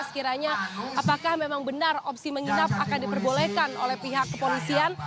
sekiranya apakah memang benar opsi menginap akan diperbolehkan oleh pihak kepolisian